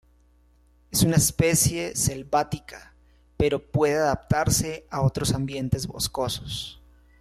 Es una especie selvática, pero puede adaptarse a otros ambientes boscosos.